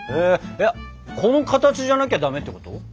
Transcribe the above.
この形じゃなきゃダメってこと？